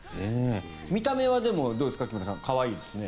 見た目は、でも木村さん、可愛いですね。